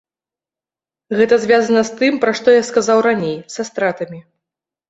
Гэта звязана з тым, пра што я сказаў раней, са стратамі.